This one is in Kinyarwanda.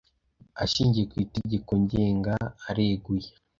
ashingiye ku itegeko ngenga areguye